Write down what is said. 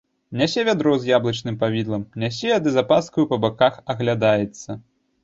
Нясе вядро з яблычным павідлам, нясе ды з апаскаю па баках аглядаецца.